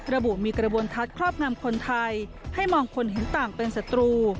ระบุมีกระบวนทัศน์ครอบงำคนไทยให้มองคนเห็นต่างเป็นศัตรู